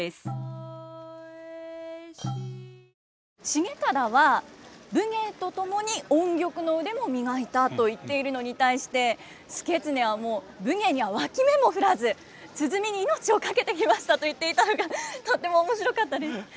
重忠は武芸と共に音曲の腕も磨いたと言っているのに対して祐経はもう武芸には脇目も振らず鼓に命を懸けてきましたと言っていたのがとっても面白かったです。